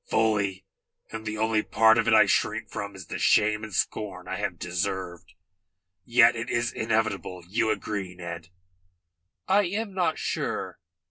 "Fully, and the only part of it I shrink from is the shame and scorn I have deserved. Yet it is inevitable. You agree, Ned?" "I am not sure.